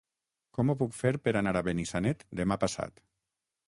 Com ho puc fer per anar a Benissanet demà passat?